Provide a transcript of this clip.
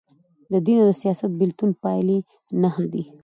د دین او سیاست د بیلتون پایلي نهه دي.